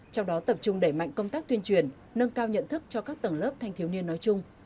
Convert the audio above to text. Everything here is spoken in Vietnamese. trong đó tập trung đẩy mạnh công tác tuyên truyền nâng cao nhận thức cho các tầng lớp thanh thiếu niên nói chung